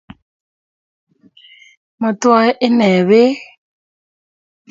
Matwae inne beek